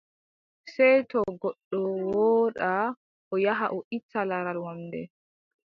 Sey to goɗɗo woodaa, o yaha o itta laral wamnde.